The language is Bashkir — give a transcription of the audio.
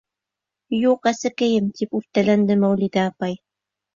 — Юҡ, әсәкәйем. — тип үртәләнде Мәүлиҙә апай.